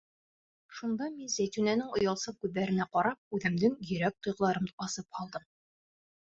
Шунда мин, Зәйтүнәнең оялсан күҙҙәренә ҡарап, үҙемдең йөрәк тойғоларымды асып һалдым.